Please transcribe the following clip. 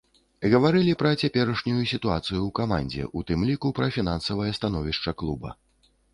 Гаварылі пра цяперашнюю сітуацыю ў камандзе, у тым ліку і пра фінансавае становішча клуба.